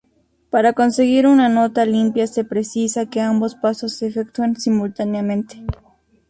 Para conseguir una nota limpia se precisa que ambos pasos se efectúen simultáneamente.